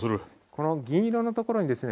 この銀色の所にですね